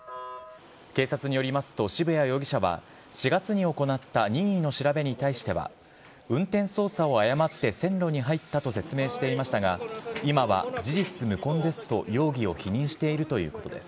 警察によりますと、渋谷容疑者は、４月に行った任意の調べに対しては、運転操作を誤って線路に入ったと説明していましたが、今は事実無根ですと容疑を否認しているということです。